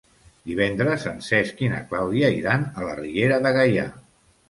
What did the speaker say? Divendres en Cesc i na Clàudia iran a la Riera de Gaià.